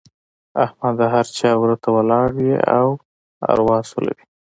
احمد د هر چا وره ته ولاړ وي او اروا سولوي.